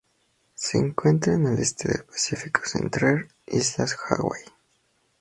Se encuentran al este del Pacífico central: Islas Hawaii.